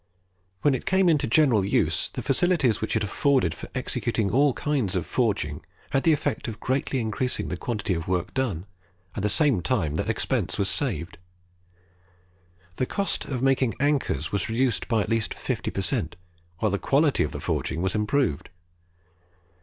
When it came into general use, the facilities which it afforded for executing all kinds of forging had the effect of greatly increasing the quantity of work done, at the same time that expense was saved. The cost of making anchors was reduced by at least 50 per cent., while the quality of the forging was improved.